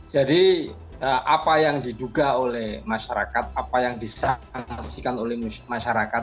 jadi apa yang diduga oleh masyarakat apa yang disaksikan oleh masyarakat